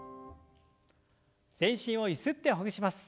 全身をゆすってほぐします。